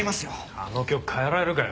あの曲変えられるかよ。